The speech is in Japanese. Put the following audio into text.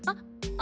あ！